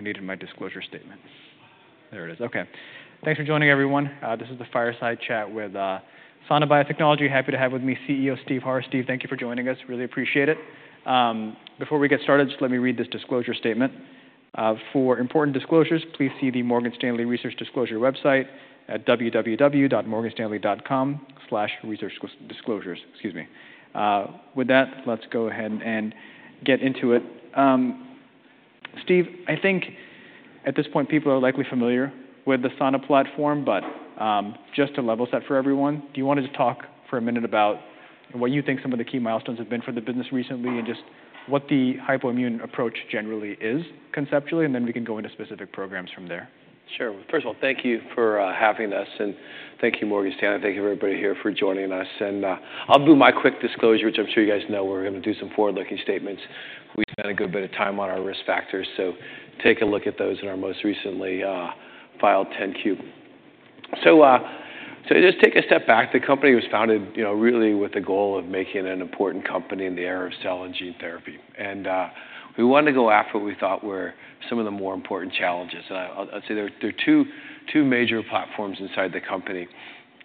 I needed my disclosure statement. There it is. Okay. Thanks for joining, everyone. This is the Fireside Chat with Sana Biotechnology. Happy to have with me CEO Steve Harr. Steve, thank you for joining us. Really appreciate it. Before we get started, just let me read this disclosure statement. For important disclosures, please see the Morgan Stanley Research Disclosure website at www.morganstanley.com/researchdisclosures. Excuse me. With that, let's go ahead and get into it. Steve, I think at this point, people are likely familiar with the Sana platform, but just to level set for everyone, do you want to just talk for a minute about what you think some of the key milestones have been for the business recently, and just what the Hypoimmune approach generally is conceptually, and then we can go into specific programs from there? Sure. First of all, thank you for having us, and thank you, Morgan Stanley. Thank you, everybody here, for joining us. And, I'll do my quick disclosure, which I'm sure you guys know we're going to do some forward-looking statements. We spent a good bit of time on our risk factors, so take a look at those in our most recently filed 10-Q. So, so just take a step back. The company was founded, you know, really with the goal of making an important company in the era of cell and gene therapy. And, we wanted to go after what we thought were some of the more important challenges. And I, I'd say there are two major platforms inside the company.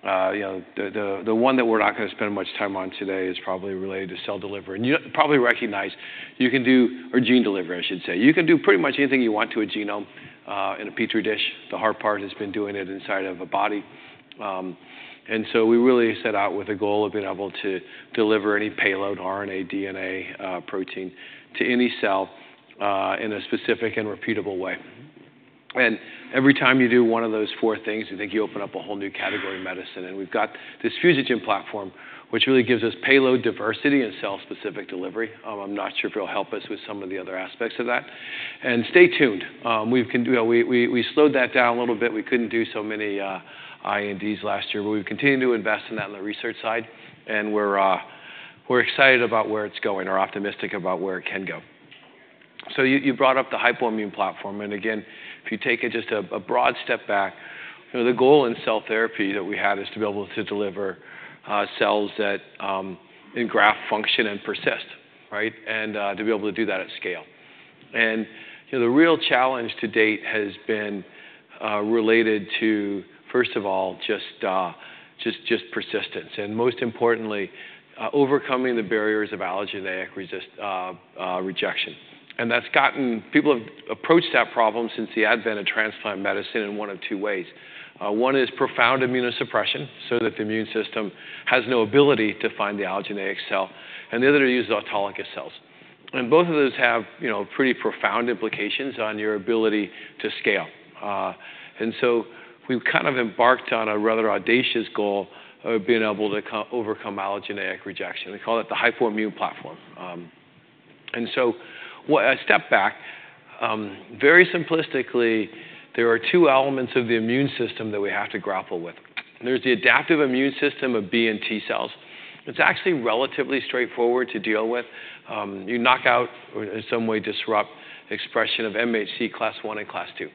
You know, the one that we're not going to spend much time on today is probably related to cell delivery. And you probably recognize you can do or gene delivery, I should say. You can do pretty much anything you want to a genome in a petri dish. The hard part has been doing it inside of a body. And so we really set out with a goal of being able to deliver any payload, RNA, DNA, protein, to any cell in a specific and repeatable way. And every time you do one of those four things, I think you open up a whole new category of medicine. And we've got this fusogen platform, which really gives us payload diversity and cell-specific delivery. I'm not sure if it'll help us with some of the other aspects of that. And stay tuned. You know, we slowed that down a little bit. We couldn't do so many INDs last year, but we've continued to invest in that on the research side, and we're excited about where it's going or optimistic about where it can go. So you brought up the Hypoimmune platform, and again, if you take it just a broad step back, you know, the goal in cell therapy that we had is to be able to deliver cells that engraft, function, and persist, right? And to be able to do that at scale. And you know, the real challenge to date has been related to, first of all, just persistence, and most importantly, overcoming the barriers of allogeneic rejection. People have approached that problem since the advent of transplant medicine in one of two ways. One is profound immunosuppression, so that the immune system has no ability to find the allogeneic cell, and the other is autologous cells. Both of those have, you know, pretty profound implications on your ability to scale. So we've kind of embarked on a rather audacious goal of being able to overcome allogeneic rejection. We call it the Hypoimmune platform. A step back, very simplistically, there are two elements of the immune system that we have to grapple with. There's the adaptive immune system of B and T cells. It's actually relatively straightforward to deal with. You knock out or in some way disrupt expression of MHC class I and class II,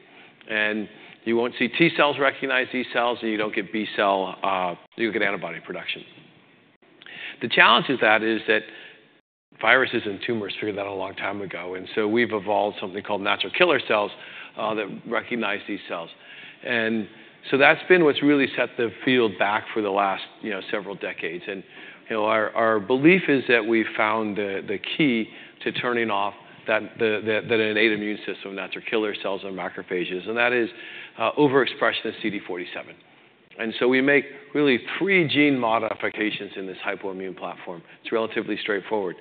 and you won't see T cells recognize these cells, and you don't get B cell, you get antibody production. The challenge is that viruses and tumors figured that a long time ago, and so we've evolved something called natural killer cells that recognize these cells. And so that's been what's really set the field back for the last, you know, several decades. And, you know, our belief is that we've found the key to turning off that innate immune system, natural killer cells and macrophages, and that is overexpression of CD47. And so we make really three gene modifications in this hypoimmune platform. It's relatively straightforward.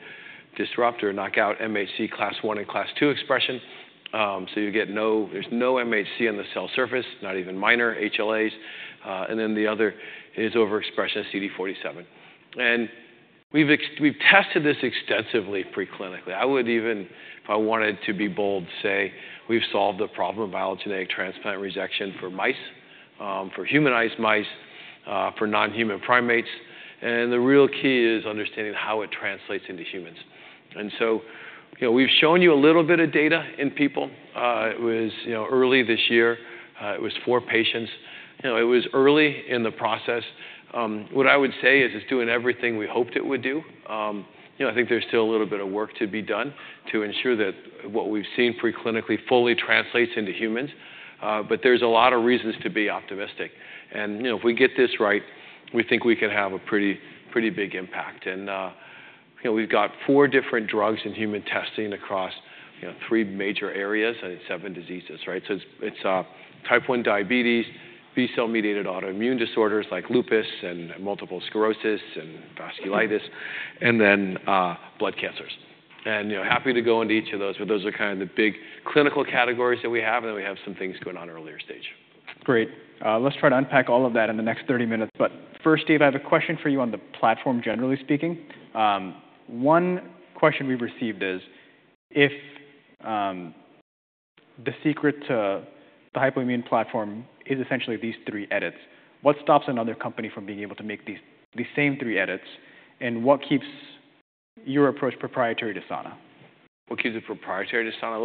Disrupt or knock out MHC class I and class II expression, so there's no MHC on the cell surface, not even minor HLAs. And then the other is overexpression of CD47. And we've tested this extensively preclinically. I would even, if I wanted to be bold, say we've solved the problem of allogeneic transplant rejection for mice, for humanized mice, for non-human primates, and the real key is understanding how it translates into humans. And so, you know, we've shown you a little bit of data in people. It was, you know, early this year. It was four patients. You know, it was early in the process. What I would say is it's doing everything we hoped it would do. You know, I think there's still a little bit of work to be done to ensure that what we've seen preclinically fully translates into humans, but there's a lot of reasons to be optimistic, and you know, if we get this right, we think we can have a pretty, pretty big impact, and you know, we've got four different drugs in human testing across, you know, three major areas and seven diseases, right? So it's type 1 diabetes, B-cell-mediated autoimmune disorders like lupus and multiple sclerosis and vasculitis, and then blood cancers, and you know, happy to go into each of those, but those are kind of the big clinical categories that we have, and then we have some things going on earlier stage. Great. Let's try to unpack all of that in the next 30 minutes. But first, Steve, I have a question for you on the platform, generally speaking. One question we've received is: If the secret to the Hypoimmune platform is essentially these three edits, what stops another company from being able to make these same three edits, and what keeps your approach proprietary to Sana? What keeps it proprietary to Sana?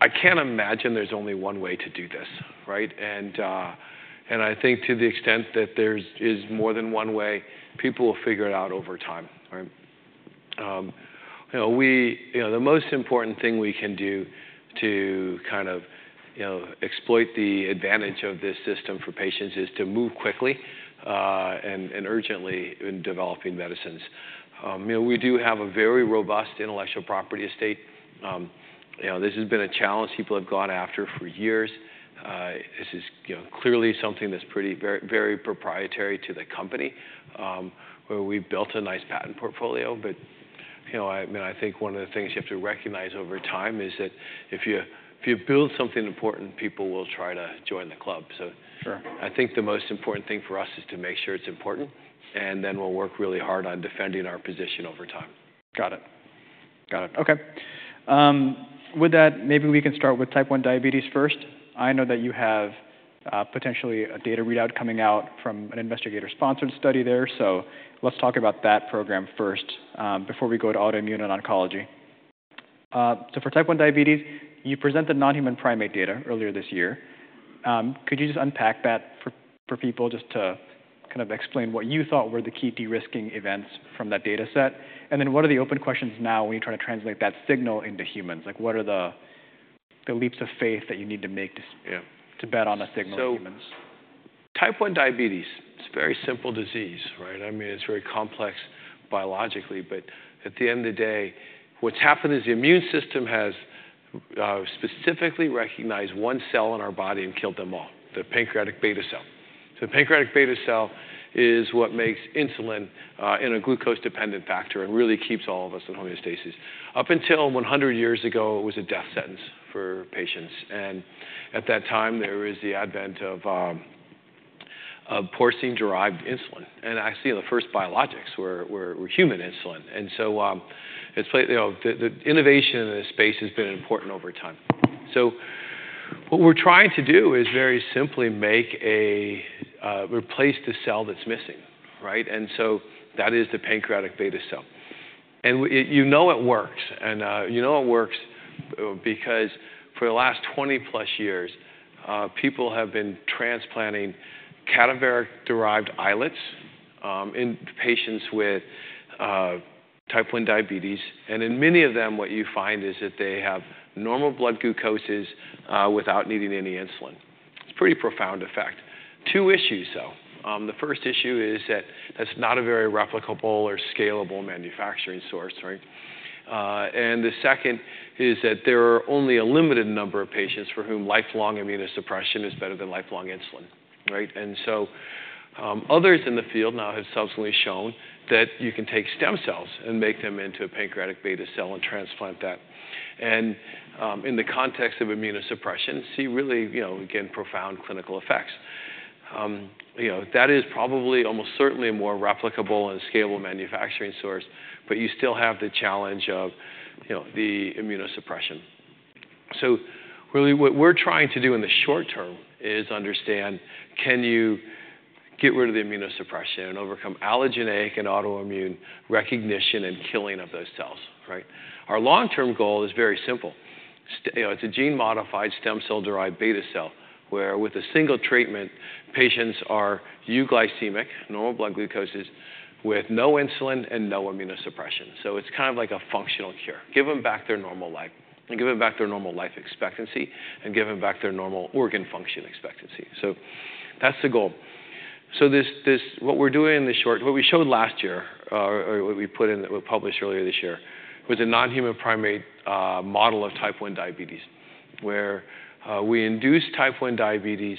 I can't imagine there's only one way to do this, right? And I think to the extent that there's more than one way, people will figure it out over time, right? You know, the most important thing we can do to kind of exploit the advantage of this system for patients is to move quickly and urgently in developing medicines. You know, we do have a very robust intellectual property estate. You know, this has been a challenge people have gone after for years. This is clearly something that's pretty very, very proprietary to the company, where we've built a nice patent portfolio. But you know, I mean, I think one of the things you have to recognize over time is that if you build something important, people will try to join the club. So, I think the most important thing for us is to make sure it's important, and then we'll work really hard on defending our position over time. Got it. Got it. Okay, with that, maybe we can start Type 1 diabetes first. I know that you have, potentially a data readout coming out from an investigator-sponsored study there. So let's talk about that program first, before we go to autoimmune and oncology. So Type 1 diabetes, you presented non-human primate data earlier this year. Could you just unpack that for people just to kind of explain what you thought were the key de-risking events from that data set? And then what are the open questions now when you try to translate that signal into humans? Like, what are the leaps of faith that you need to make to bet on the signal in humans? So Type 1 diabetes, it's a very simple disease, right? I mean, it's very complex biologically, but at the end of the day, what's happened is the immune system has specifically recognized one cell in our body and killed them all, the pancreatic beta cell. So the pancreatic beta cell is what makes insulin in a glucose-dependent factor and really keeps all of us in homeostasis. Up until 100 years ago, it was a death sentence for patients, and at that time, there was the advent of porcine-derived insulin. And actually, the first biologics were human insulin. And so, it's you know, the innovation in this space has been important over time. So what we're trying to do is very simply make a replace the cell that's missing, right? And so that is the pancreatic beta cell. You know it works because for the last 20+ years people have been transplanting cadaveric-derived islets in patients with Type 1 diabetes. And in many of them, what you find is that they have normal blood glucoses without needing any insulin. It's a pretty profound effect. Two issues, though. The first issue is that that's not a very replicable or scalable manufacturing source, right? And the second is that there are only a limited number of patients for whom lifelong immunosuppression is better than lifelong insulin, right? And so, others in the field now have subsequently shown that you can take stem cells and make them into a pancreatic beta cell and transplant that. And in the context of immunosuppression, see really, you know, again, profound clinical effects. You know, that is probably almost certainly a more replicable and scalable manufacturing source, but you still have the challenge of, you know, the immunosuppression. So really, what we're trying to do in the short term is understand, can you get rid of the immunosuppression and overcome allogeneic and autoimmune recognition and killing of those cells, right? Our long-term goal is very simple. You know, it's a gene-modified, stem cell-derived beta cell, where with a single treatment, patients are euglycemic, normal blood glucoses, with no insulin and no immunosuppression. So it's kind of like a functional cure. Give them back their normal life, and give them back their normal life expectancy, and give them back their normal organ function expectancy. So that's the goal. What we showed last year, or what we put in, that was published earlier this year, was a non-human primate model Type 1 diabetes, where we Type 1 diabetes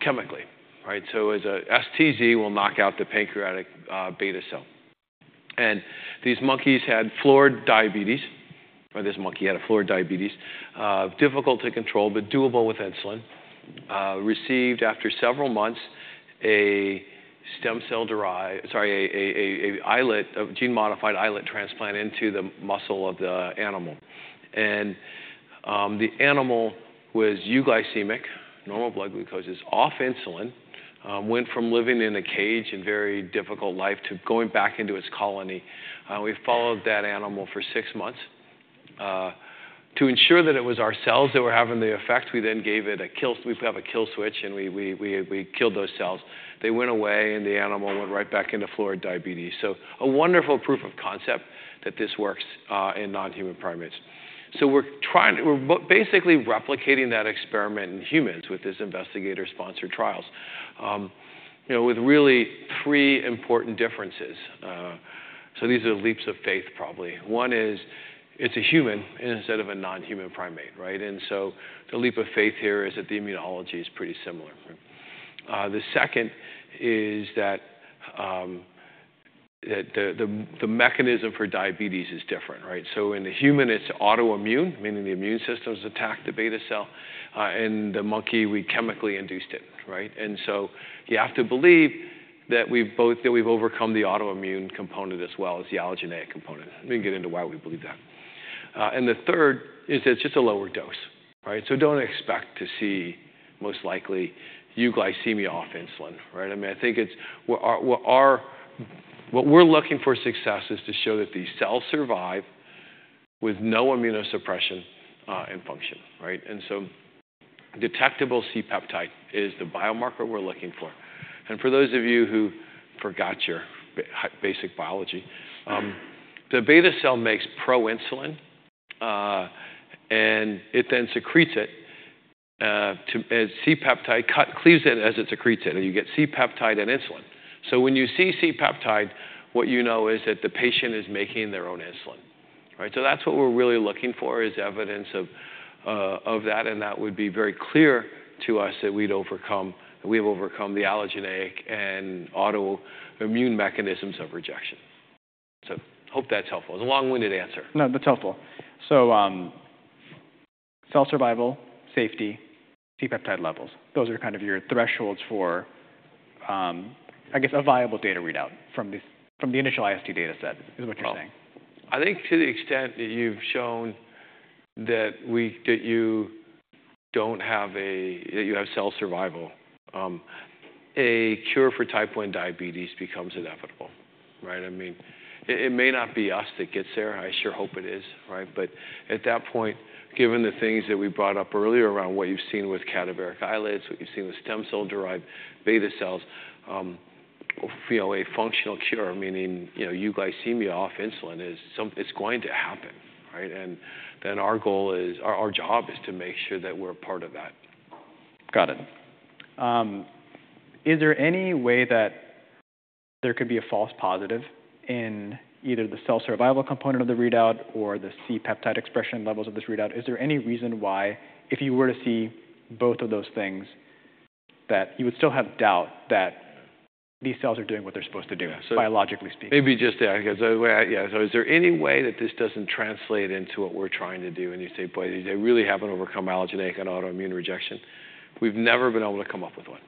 chemically, right? So as a STZ, we'll knock out the pancreatic beta cell. And these monkeys had full-blown diabetes, or this monkey had full-blown diabetes, difficult to control, but doable with insulin. Received, after several months, a stem cell-derived. Sorry, a islet, a gene-modified islet transplant into the muscle of the animal. And the animal was euglycemic, normal blood glucoses, off insulin, went from living in a cage and very difficult life to going back into its colony. We followed that animal for six months. To ensure that it was our cells that were having the effect, we then gave it a kill switch, and we killed those cells. They went away, and the animal went right back into full diabetes. So a wonderful proof of concept that this works in non-human primates. So we're basically replicating that experiment in humans with these investigator-sponsored trials. You know, with really three important differences. So these are leaps of faith, probably. One is, it's a human instead of a non-human primate, right? And so the leap of faith here is that the immunology is pretty similar. The second is that the mechanism for diabetes is different, right? So in the human, it's autoimmune, meaning the immune systems attack the beta cell. In the monkey, we chemically induced it, right? And so you have to believe that we've overcome the autoimmune component as well as the allogeneic component. Let me get into why we believe that. The third is that it's just a lower dose, right? So don't expect to see, most likely, euglycemia off insulin, right? I mean, I think it's what we're looking for success is to show that these cells survive with no immunosuppression and function, right? And so detectable C-peptide is the biomarker we're looking for. And for those of you who forgot your basic biology, the beta cell makes proinsulin, and it then secretes it as C-peptide cut, cleaves it as it secretes it, and you get C-peptide and insulin. So when you see C-peptide, what you know is that the patient is making their own insulin, right? So that's what we're really looking for, is evidence of that, and that would be very clear to us that we'd overcome, we've overcome the allogeneic and autoimmune mechanisms of rejection. So hope that's helpful. It's a long-winded answer. No, that's helpful. So, cell survival, safety, C-peptide levels, those are kind of your thresholds for, I guess, a viable data readout from this, from the initial IST dataset, is what you're saying? I think to the extent that you've shown that you have cell survival, a cure for Type 1 diabetes becomes inevitable, right? I mean, it may not be us that gets there. I sure hope it is, right? But at that point, given the things that we brought up earlier around what you've seen with cadaveric islets, what you've seen with stem cell-derived beta cells, you know, a functional cure, meaning, you know, euglycemia off insulin it's going to happen, right? And then our goal is our job is to make sure that we're a part of that. Got it. Is there any way that there could be a false positive in either the cell survival component of the readout or the C-peptide expression levels of this readout? Is there any reason why, if you were to see both of those things, that you would still have doubt that these cells are doing what they're supposed to do, biologically speaking? Maybe just to add, so yeah. So is there any way that this doesn't translate into what we're trying to do, and you say, "Boy, they really haven't overcome allogeneic and autoimmune rejection"? We've never been able to come up with one.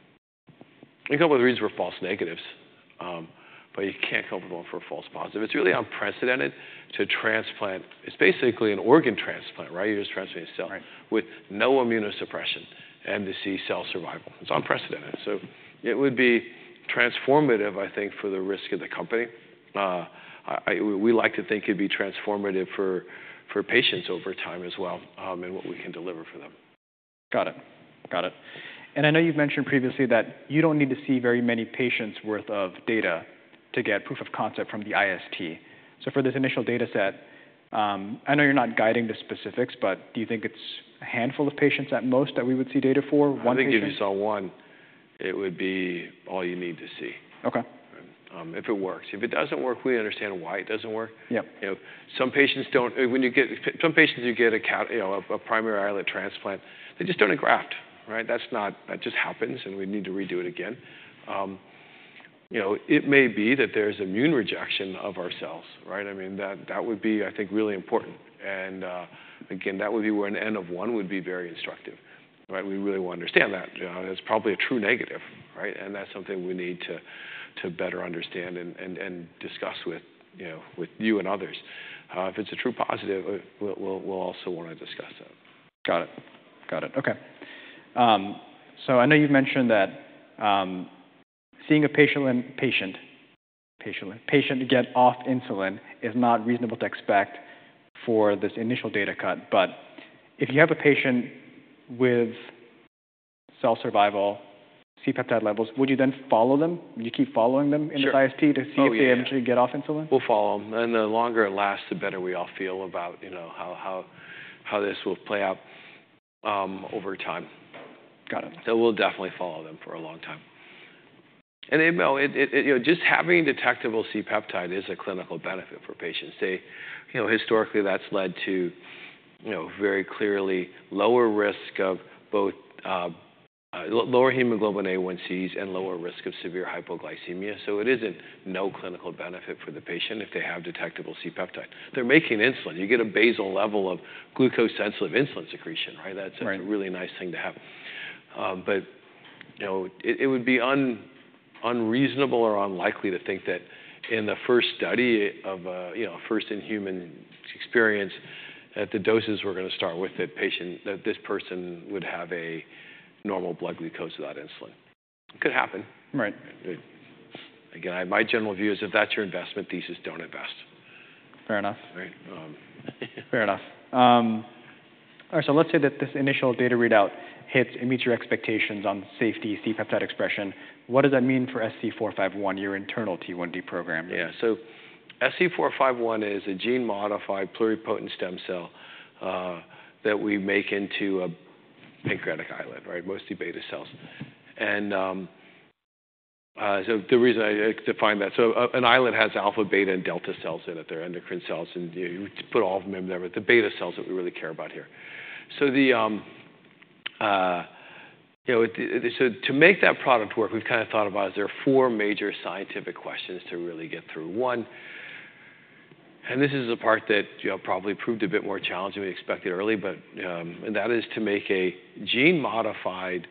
You come up with reasons for false negatives, but you can't come up with one for a false positive. It's really unprecedented to transplant. It's basically an organ transplant, right? You're just transplanting a cell with no immunosuppression and to see cell survival. It's unprecedented, so it would be transformative, I think, for the risk of the company. We like to think it'd be transformative for patients over time as well, and what we can deliver for them. Got it. Got it. And I know you've mentioned previously that you don't need to see very many patients' worth of data to get proof of concept from the IST. So for this initial dataset, I know you're not guiding the specifics, but do you think it's a handful of patients at most that we would see data for, one patient? I think if you saw one, it would be all you need to see. Okay. If it works. If it doesn't work, we understand why it doesn't work. You know, some patients don't get a primary islet transplant. They just don't graft, right? That just happens, and we need to redo it again. You know, it may be that there's immune rejection of our cells, right? I mean, that would be, I think, really important. Again, that would be where n of one would be very instructive, right? We really want to understand that. You know, it's probably a true negative, right? And that's something we need to better understand and discuss with you and others. If it's a true positive, we'll also wanna discuss it. Got it. Got it. Okay. So I know you've mentioned that seeing a patient get off insulin is not reasonable to expect for this initial data cut. But if you have a patient with cell survival, C-peptide levels, would you then follow them? Would you keep following them in the IST to see, if they actually get off insulin? We'll follow them, and the longer it lasts, the better we all feel about, you know, how this will play out over time. Got it. So we'll definitely follow them for a long time. And you know, it you know, just having detectable C-peptide is a clinical benefit for patients. They. You know, historically, that's led to you know, very clearly lower risk of both lower hemoglobin A1c and lower risk of severe hypoglycemia. So it isn't no clinical benefit for the patient if they have detectable C-peptide. They're making insulin. You get a basal level of glucose sensor of insulin secretion, right? That's a really nice thing to have. But, you know, it would be unreasonable or unlikely to think that in the first study of a, you know, first in human experience, that the doses we're gonna start with, that this person would have a normal blood glucose without insulin. It could happen. But again, my general view is, if that's your investment thesis, don't invest. Fair enough. All right, so let's say that this initial data readout hits and meets your expectations on safety, C-peptide expression. What does that mean for SC451, your internal T1D program? Yeah. So SC451 is a gene-modified, pluripotent stem cell that we make into a pancreatic islet, right? Mostly beta cells. And so the reason I like to define that. So an islet has alpha, beta, and delta cells in it. They're endocrine cells, and you put all of them in there, but the beta cells that we really care about here. So you know, so to make that product work, we've kind of thought about, is there are four major scientific questions to really get through. One, and this is the part that, you know, probably proved a bit more challenging than we expected early, but, and that is to make a gene-modified,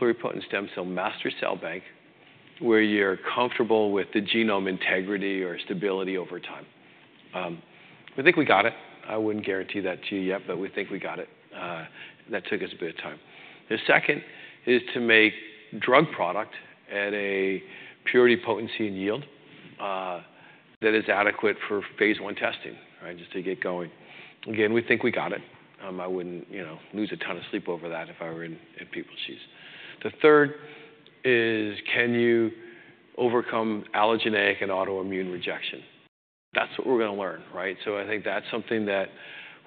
pluripotent stem cell master cell bank, where you're comfortable with the genome integrity or stability over time. I think we got it. I wouldn't guarantee that to you yet, but we think we got it, and that took us a bit of time. The second is to make drug product at a purity, potency, and yield that is adequate for phase I testing, right? Just to get going. Again, we think we got it. I wouldn't, you know, lose a ton of sleep over that if I were in people's shoes. The third is, can you overcome allogeneic and autoimmune rejection? That's what we're gonna learn, right? So I think that's something that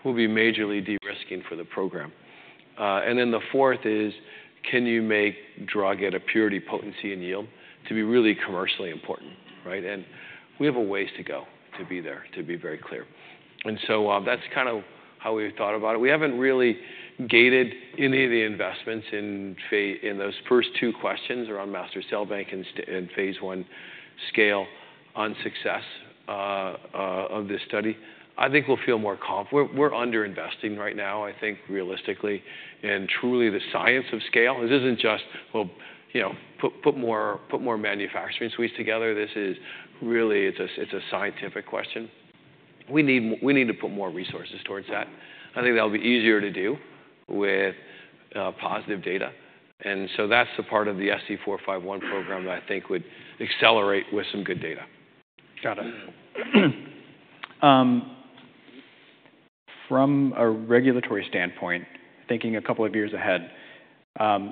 will be majorly de-risking for the program. And then the fourth is, can you make drug at a purity, potency, and yield to be really commercially important, right? And we have a ways to go to be there, to be very clear. And so, that's kind of how we thought about it. We haven't really gated any of the investments in phase in those first two questions around master cell bank and STZ and phase I scale on success of this study. I think we'll feel more confident. We're underinvesting right now, I think, realistically. And truly, the science of scale, this isn't just, well, you know, put more manufacturing suites together. This is really, it's a scientific question. We need to put more resources towards that. I think that'll be easier to do with positive data, and so that's the part of the SC451 program that I think would accelerate with some good data. Got it. From a regulatory standpoint, thinking a couple of years ahead,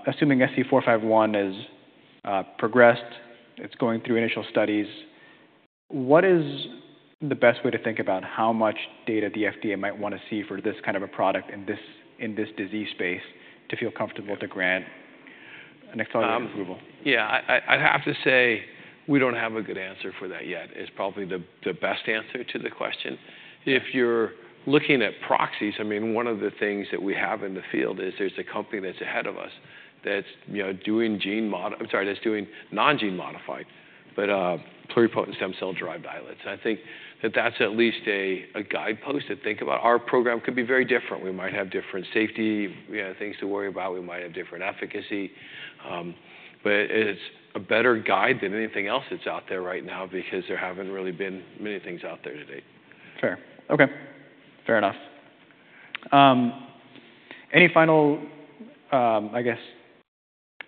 assuming SC451 is progressed, it's going through initial studies, what is the best way to think about how much data the FDA might wanna see for this kind of a product in this disease space to feel comfortable to grant an accelerated approval? Yeah, I'd have to say we don't have a good answer for that yet, is probably the best answer to the question. If you're looking at proxies, I mean, one of the things that we have in the field is there's a company that's ahead of us that's, you know, doing non-gene modified, but pluripotent stem cell-derived islets. I think that that's at least a guidepost to think about. Our program could be very different. We might have different safety, we have things to worry about. We might have different efficacy. But it's a better guide than anything else that's out there right now because there haven't really been many things out there to date. Fair. Okay, fair enough. Any final, I guess,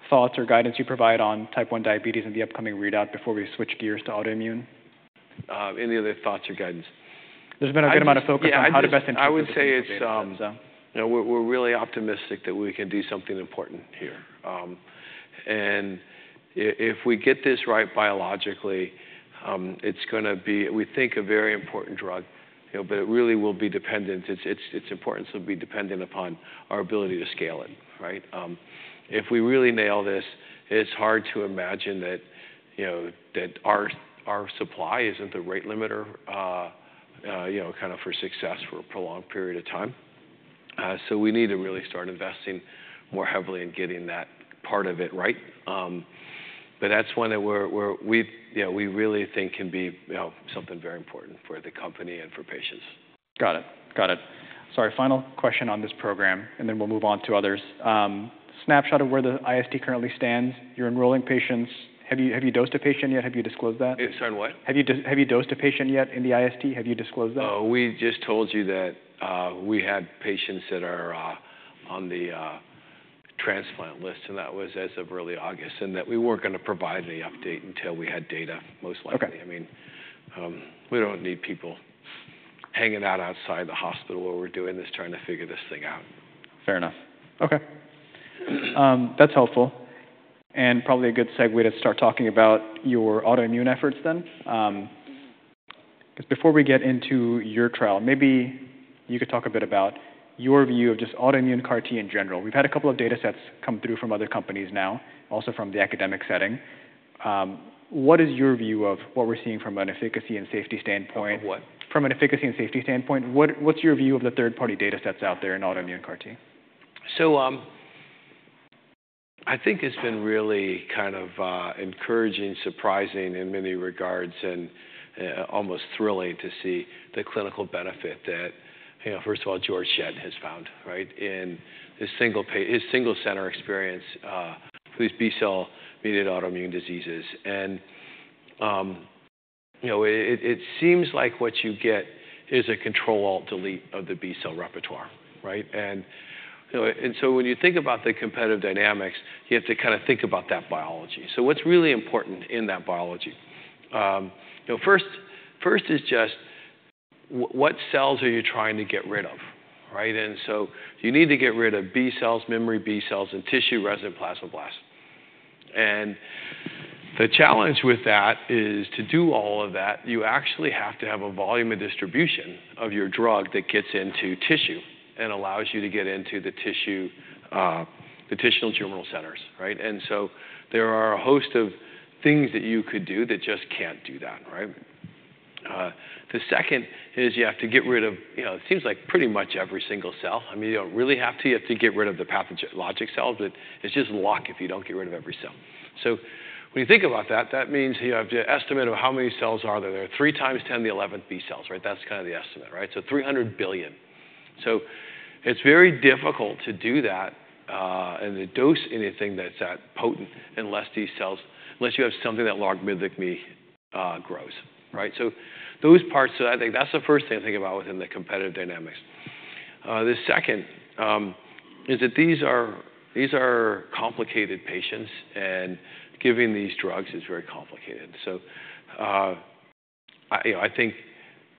thoughts or guidance you provide on Type 1 diabetes and the upcoming readout before we switch gears to autoimmune? Any other thoughts or guidance? There's been a good amount of focus on how to best interpret the data sets, yeah. I would say it's. You know, we're really optimistic that we can do something important here, and if we get this right biologically, it's gonna be, we think, a very important drug, you know, but it really will be dependent. Its importance will be dependent upon our ability to scale it, right? If we really nail this, it's hard to imagine that, you know, our supply isn't the rate limiter, you know, kind of for success for a prolonged period of time, so we need to really start investing more heavily in getting that part of it right, but that's one that we really think can be, you know, something very important for the company and for patients. Got it. Got it. Sorry, final question on this program, and then we'll move on to others. Snapshot of where the IST currently stands. You're enrolling patients. Have you dosed a patient yet? Have you disclosed that? Sorry, what? Have you dosed a patient yet in the IST? Have you disclosed that? Oh, we just told you that we had patients that are on the transplant list, and that was as of early August, and that we weren't gonna provide any update until we had data, most likely. I mean, we don't need people hanging out outside the hospital where we're doing this, trying to figure this thing out. Fair enough. Okay. That's helpful and probably a good segue to start talking about your autoimmune efforts then. But before we get into your trial, maybe you could talk a bit about your view of just autoimmune CAR T in general. We've had a couple of data sets come through from other companies now, also from the academic setting. What is your view of what we're seeing from an efficacy and safety standpoint what's your view of the third-party data sets out there in autoimmune CAR T? So, I think it's been really kind of, encouraging, surprising in many regards, and, almost thrilling to see the clinical benefit that, you know, first of all, Georg Schett has found, right? In his single center experience, for these B-cell-mediated autoimmune diseases. And, you know, it seems like what you get is a control-alt-delete of the B-cell repertoire, right? And, you know, and so when you think about the competitive dynamics, you have to kind of think about that biology. So what's really important in that biology? You know, first is just what cells are you trying to get rid of, right? And so you need to get rid of B-cells, memory B-cells, and tissue-resident plasmablasts. The challenge with that is, to do all of that, you actually have to have a volume of distribution of your drug that gets into tissue and allows you to get into the tissue, the tissue germinal centers, right? And so there are a host of things that you could do that just can't do that, right? The second is you have to get rid of, you know, it seems like pretty much every single cell. I mean, you don't really have to, you have to get rid of the pathologic cells, but it's just luck if you don't get rid of every cell. So when you think about that, that means you have to estimate of how many cells are there. There are 3 times 10 to the 11 B cells, right? That's kind of the estimate, right? So 300 billion. So it's very difficult to do that and to dose anything that's that potent unless these cells, unless you have something that logarithmically grows, right? So those parts, so I think that's the first thing to think about within the competitive dynamics. The second is that these are complicated patients, and giving these drugs is very complicated. So, you know, I think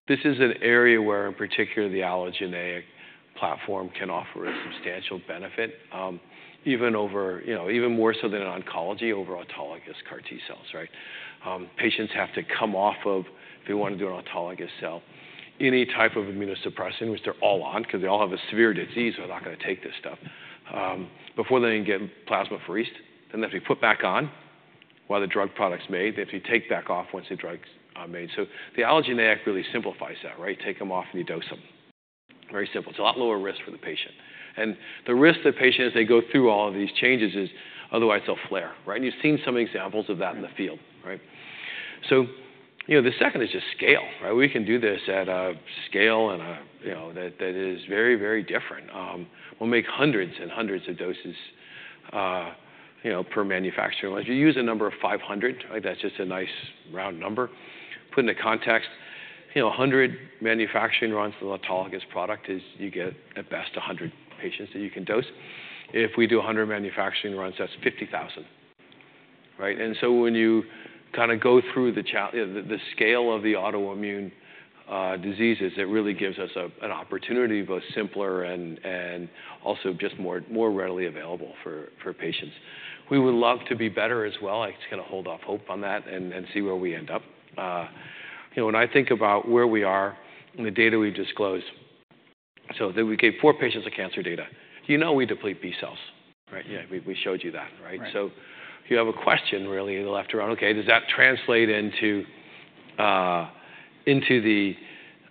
this is an area where, in particular, the allogeneic platform can offer a substantial benefit, even over, you know, even more so than in oncology, over autologous CAR T cells, right? Patients have to come off of, if they want to do an autologous cell, any type of immunosuppressant, which they're all on, 'cause they all have a severe disease, they're not gonna take this stuff, before they even get plasmapheresed, then they have to be put back on while the drug product's made. They have to take back off once the drug's made. So the allogeneic really simplifies that, right? Take them off, and you dose them. Very simple. It's a lot lower risk for the patient. And the risk to the patient as they go through all of these changes is otherwise they'll flare, right? And you've seen some examples of that in the field, right? So, you know, the second is just scale, right? We can do this at a scale and a, you know, that, that is very, very different. We'll make hundreds and hundreds of doses, you know, per manufacturer. If you use a number of 500, I think that's just a nice round number. Put into context, you know, a hundred manufacturing runs of an autologous product is you get, at best, a 100 patients that you can dose. If we do a 100 manufacturing runs, that's 50,000, right? And so when you kinda go through the scale of the autoimmune diseases, it really gives us an opportunity, both simpler and also just more readily available for patients. We would love to be better as well. I'm just gonna hold off hope on that and see where we end up. You know, when I think about where we are and the data we've disclosed, so then we gave 4 patients of cancer data. You know, we deplete B cells, right? Yeah, we showed you that, right? So if you have a question, really left around, okay, does that translate into the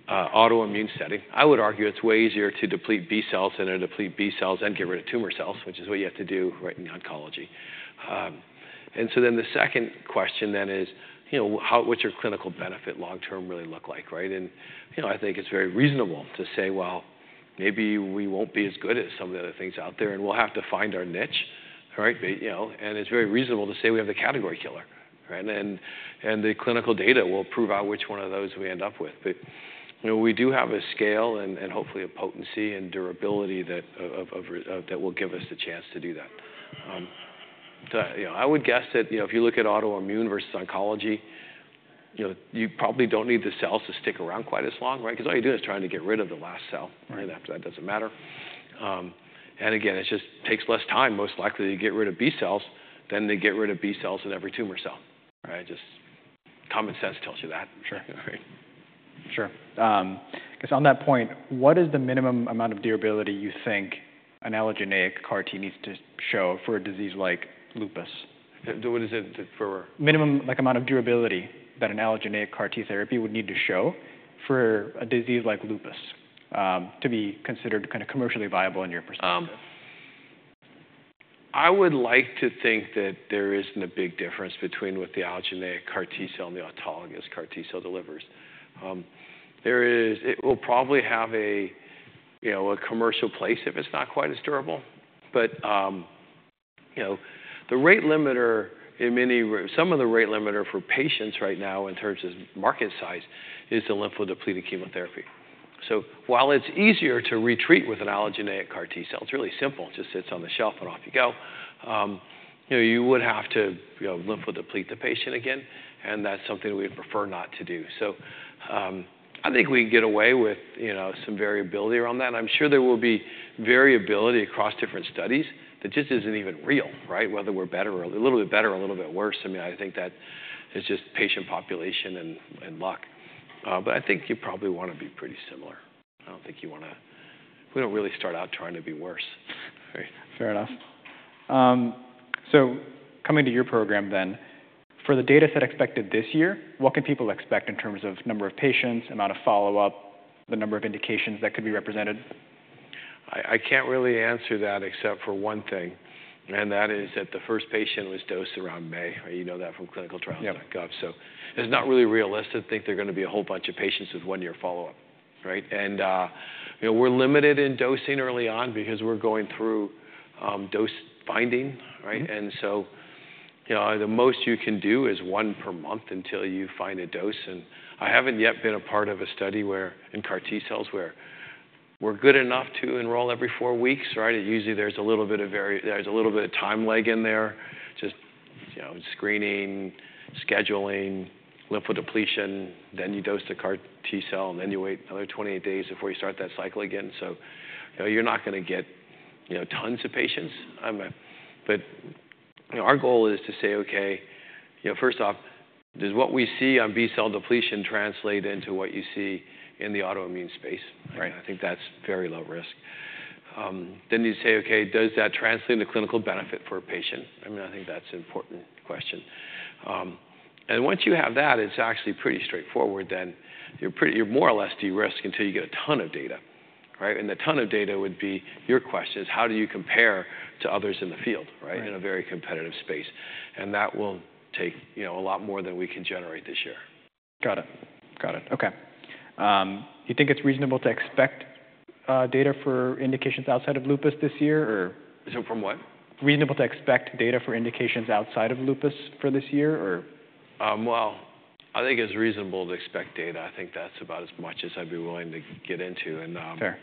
autoimmune setting? I would argue it's way easier to deplete B cells than to deplete B cells and get rid of tumor cells, which is what you have to do, right, in oncology. And so then the second question then is, you know, what's your clinical benefit long term really look like, right? And, you know, I think it's very reasonable to say, well, maybe we won't be as good as some of the other things out there, and we'll have to find our niche, right? But, you know, and it's very reasonable to say we have the category killer, right? And then the clinical data will prove out which one of those we end up with. But, you know, we do have a scale and hopefully a potency and durability that will give us the chance to do that. You know, I would guess that, you know, if you look at autoimmune versus oncology, you know, you probably don't need the cells to stick around quite as long, right? 'Cause all you do is trying to get rid of the last cell after that doesn't matter. And again, it just takes less time, most likely, to get rid of B cells than to get rid of B cells and every tumor cell, right? Just common sense tells you that, right? Sure. 'Cause on that point, what is the minimum amount of durability you think an allogeneic CAR T needs to show for a disease like lupus? What is it? Minimum, like, amount of durability that an allogeneic CAR T therapy would need to show for a disease like lupus, to be considered commercially viable in your perspective? I would like to think that there isn't a big difference between what the allogeneic CAR T cell and the autologous CAR T cell delivers. There is. It will probably have a, you know, a commercial place if it's not quite as durable. But, you know, some of the rate limiter for patients right now in terms of market size is the lymphodepleting chemotherapy. So while it's easier to retreat with an allogeneic CAR T cell, it's really simple. It just sits on the shelf and off you go. You know, you would have to, you know, lymphodeplete the patient again, and that's something we'd prefer not to do. So, I think we can get away with, you know, some variability around that, and I'm sure there will be variability across different studies that just isn't even real, right? Whether we're better or a little bit better or a little bit worse, I mean, I think that is just patient population and luck, but I think you probably wanna be pretty similar. I don't think you wanna... We don't really start out trying to be worse. Fair enough. So coming to your program then, for the data set expected this year, what can people expect in terms of number of patients, amount of follow-up, the number of indications that could be represented? I can't really answer that except for one thing, and that is that the first patient was dosed around May. You know that from ClinicalTrials.gov. So it's not really realistic to think they're gonna be a whole bunch of patients with one-year follow-up, right? And, you know, we're limited in dosing early on because we're going through dose finding, right? So, you know, the most you can do is one per month until you find a dose, and I haven't yet been a part of a study where, in CAR T cells, where we're good enough to enroll every 4 weeks, right? Usually, there's a little bit of time lag in there, just, you know, screening, scheduling, lymphodepletion, then you dose the CAR T cell, and then you wait another 28 days before you start that cycle again. So, you know, you're not gonna get, you know, tons of patients. But, you know, our goal is to say, okay, you know, first off, does what we see on B cell depletion translate into what you see in the autoimmune space? I think that's very low risk. Then you say, okay, does that translate into clinical benefit for a patient? I mean, I think that's an important question. And once you have that, it's actually pretty straightforward, then you're more or less de-risk until you get a ton of data, right? And a ton of data would be your question is, how do you compare to others in the field in a very competitive space? And that will take, you know, a lot more than we can generate this year. Got it. Got it. Okay. You think it's reasonable to expect data for indications outside of lupus this year, or? Sorry, from what? Reasonable to expect data for indications outside of lupus for this year, or? Well, I think it's reasonable to expect data. I think that's about as much as I'd be willing to get into, and Fair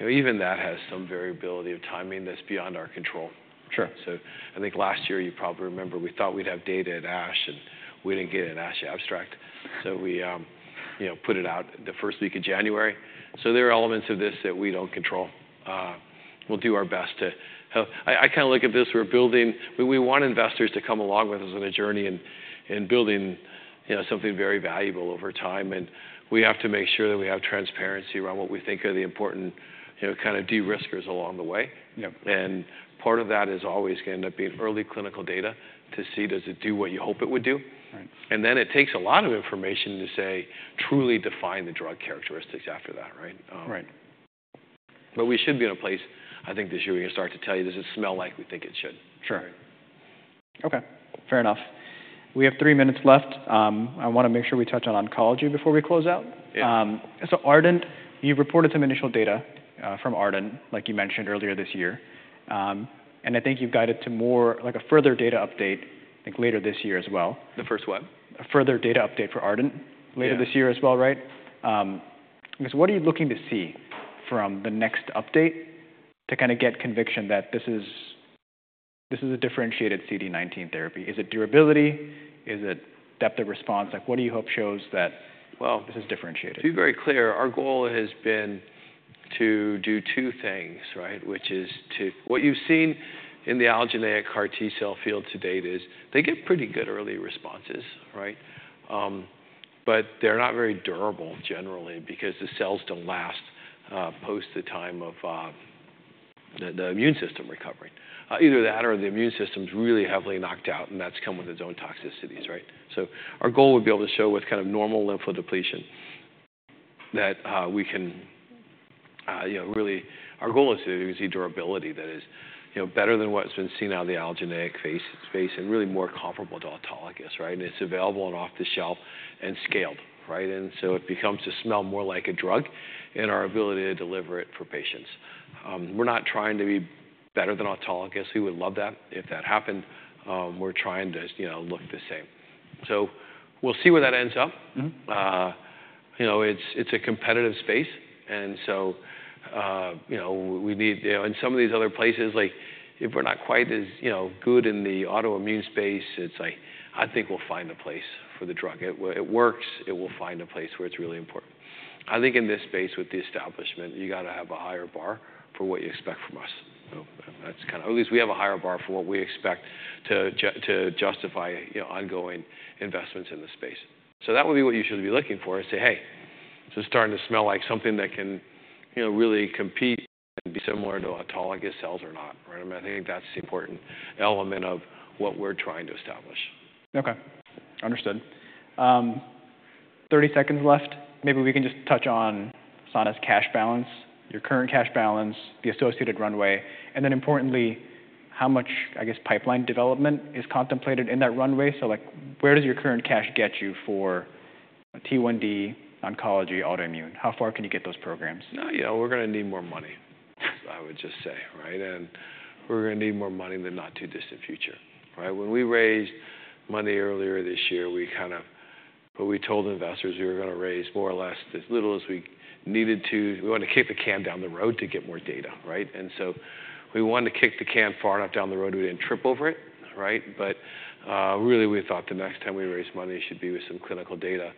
Even that has some variability of timing that's beyond our control. Sure. So I think last year, you probably remember, we thought we'd have data at ASH, and we didn't get an ASH abstract. So we, you know, put it out the first week of January. So there are elements of this that we don't control. We'll do our best to. I kind of look at this, we're building. We want investors to come along with us on a journey in building, you know, something very valuable over time, and we have to make sure that we have transparency around what we think are the important, you know, kind of de-riskers along the way. Part of that is always going to end up being early clinical data to see, does it do what you hope it would do? And then it takes a lot of information to, say, truly define the drug characteristics after that, right? Right. But we should be in a place, I think, this year, we can start to tell you, does it smell like we think it should? Sure. Okay, fair enough. We have three minutes left. I want to make sure we touch on oncology before we close out. Yeah. So, ARDENT, you've reported some initial data from ARDENT, like you mentioned earlier this year, and I think you've guided to more, like, a further data update, I think, later this year as well. The first what? A further data update for ARDENT later this year as well, right? I guess, what are you looking to see from the next update to kind of get conviction that this is a differentiated CD19 therapy? Is it durability? Is it depth of response? Like, what do you hope shows that this is differentiated? To be very clear, our goal has been to do two things, right? What you've seen in the allogeneic CAR T cell field to date is they get pretty good early responses, right? But they're not very durable generally, because the cells don't last post the time of the immune system recovering. Either that or the immune system's really heavily knocked out, and that's come with its own toxicities, right? So our goal would be able to show with kind of normal lymphodepletion that we can you know really. Our goal is to see durability that is you know better than what's been seen in the allogeneic space and really more comparable to autologous, right? And it's available and off-the-shelf and scaled, right? And so it becomes to smell more like a drug and our ability to deliver it for patients. We're not trying to be better than autologous. We would love that if that happened. We're trying to, as you know, look the same. So we'll see where that ends up. You know, it's a competitive space, and so, you know, we need. You know, in some of these other places, like, if we're not quite as, you know, good in the autoimmune space, it's like, I think we'll find a place for the drug. It works, it will find a place where it's really important. I think in this space, with the establishment, you got to have a higher bar for what you expect from us. So that's kind of. At least we have a higher bar for what we expect to justify, you know, ongoing investments in this space. So that would be what you should be looking for, and say, "Hey, this is starting to smell like something that can, you know, really compete and be similar to autologous cells or not," right? I think that's the important element of what we're trying to establish. Okay, understood. Thirty seconds left. Maybe we can just touch on Sana's cash balance, your current cash balance, the associated runway, and then importantly, how much, I guess, pipeline development is contemplated in that runway. So, like, where does your current cash get you for T1D, oncology, autoimmune? How far can you get those programs? Yeah, we're going to need more money, I would just say, right? And we're going to need more money in the not-too-distant future, right? When we raised money earlier this year, we kind of what we told investors, we were going to raise more or less as little as we needed to. We wanted to kick the can down the road to get more data, right? And so we wanted to kick the can far enough down the road, we didn't trip over it, right? But really, we thought the next time we raised money, it should be with some clinical data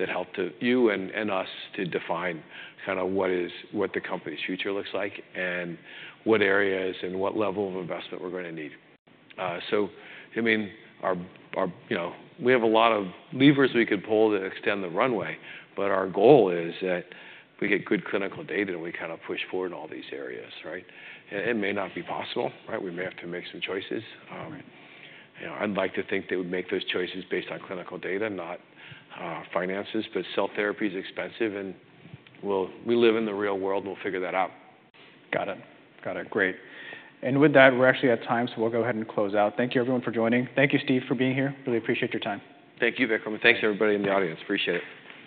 that helped to you and, and us to define kind of what is what the company's future looks like, and what areas and what level of investment we're going to need. So, I mean, our... You know, we have a lot of levers we could pull to extend the runway, but our goal is that we get good clinical data, and we kind of push forward in all these areas, right? It may not be possible, right? We may have to make some choices, you know, I'd like to think they would make those choices based on clinical data, not finances, but cell therapy is expensive, and we'll live in the real world. We'll figure that out. Got it. Got it. Great. And with that, we're actually at time, so we'll go ahead and close out. Thank you, everyone, for joining. Thank you, Steve, for being here. Really appreciate your time. Thank you, Vikram, and thanks, everybody, in the audience. Appreciate it.